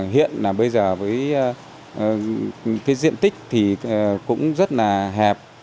hiện là bây giờ với cái diện tích thì cũng rất là hẹp